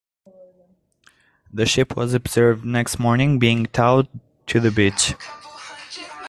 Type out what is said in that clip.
The ship was observed next morning being towed to the beach.